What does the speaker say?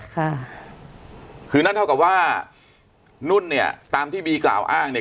ค่ะคือนั่นเท่ากับว่านุ่นเนี่ยตามที่บีกล่าวอ้างเนี่ย